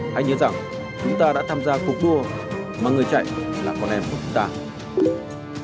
hãy nhớ rằng chúng ta đã tham gia cuộc đua mà người chạy là con em của chúng ta